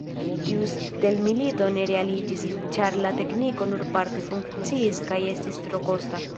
Tiu stelmilito ne realiĝis, ĉar la tekniko nur parte funkciis kaj estis tro kosta.